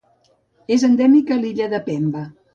És endèmica a l'Illa de Pemba.